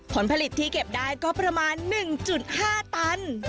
ผลผลิตที่เก็บได้ก็ประมาณ๑๕ตัน